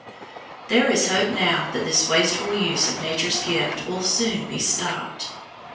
There is hope now that this wasteful use of Nature's gifts will soon be stopped.